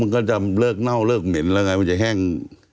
มันก็จะเลิกเน่าเลิกเหม็นแล้วไงมันจะแห้ง